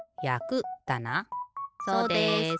そうです。